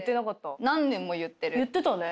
言ってたね。